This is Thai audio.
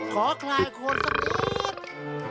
ขอคลายโคลนสร้างนี้